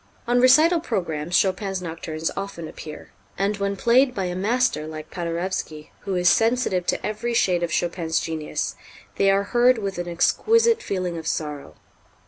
On recital programs Chopin's nocturnes often appear, and, when played by a master like Paderewski, who is sensitive to every shade of Chopin's genius, they are heard with an exquisite feeling of sorrow.